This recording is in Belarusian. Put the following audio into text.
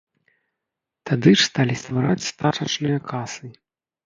Тады ж сталі ствараць стачачныя касы.